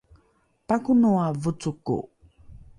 pakonoa vocoko!